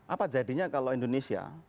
apa jadinya kalau indonesia